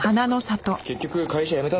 結局会社辞めたんだ。